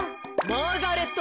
マーガレット。